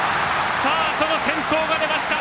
先頭が出ました！